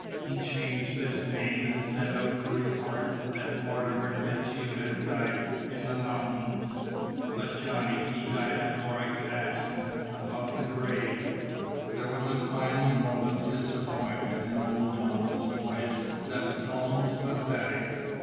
He changed his name, an' sent out the report that Mortimer FitzHugh had died in the mount'ins. But Johnny, he died afore I could ask him about the grave!" There was a final note of disappointment in old Donald's voice that was almost pathetic.